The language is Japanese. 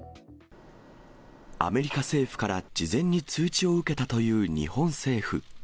アメリカ政府から事前に通知を受けたという日本政府。